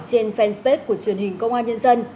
trên fanpage của truyền hình công an nhân dân